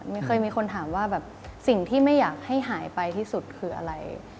มีคนถามว่าแบบสิ่งที่ไม่อยากให้หายไปที่สุดคืออะไร